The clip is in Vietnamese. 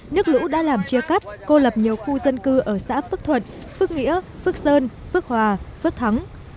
nước lũ đã làm chia cắt cô lập nhiều khu dân cư ở xã phước thuận phước nghĩa phước sơn phước hòa phước thắng